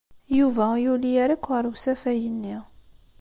Yuba ur yuli ara akk ɣer usafag-nni.